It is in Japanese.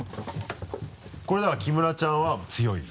これだから木村ちゃんは強いんだ。